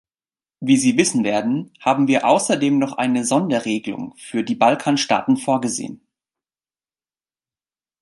Wie Sie wissen werden, haben wir außerdem noch eine Sonderregelung für die Balkanstaaten vorgesehen.